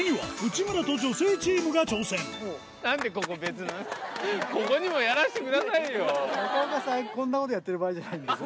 中岡さん、こんなことやってる場合じゃないので。